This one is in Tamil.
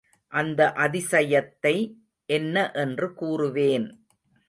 அந்த அதிசயத்தை என்ன என்று கூறுவேன்.